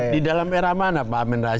di dalam era mana pak amin rais